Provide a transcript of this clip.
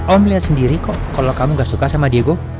om liat sendiri kok kalau kamu gak suka sama diego